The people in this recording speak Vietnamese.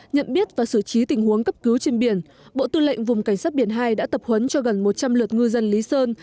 nhận biết và xử trí tình huống cấp cứu trên biển bộ tư lệnh vùng cảnh sát biển hai đã tập huấn cho gần một trăm linh lượt ngư dân lý sơn